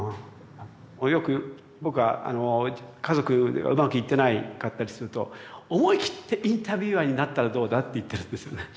よく僕は家族でうまくいってなかったりすると思い切ってインタビュアーになったらどうだって言ってるんですね。